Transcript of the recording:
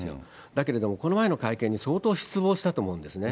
だけれども、この前の会見に相当失望したと思うんですね。